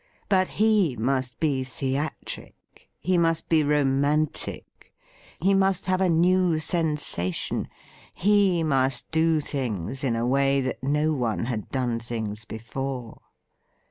But he must be theatric ; he must be romantic ; he must have a new sensa^ tion ; he must do things in a way that jio one had donp things before.